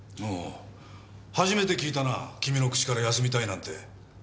ああ初めて聞いたな君の口から休みたいなんて。